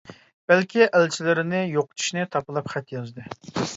بەلكى ئەلچىلىرىنى يوقىتىشنى تاپىلاپ خەت يازدى.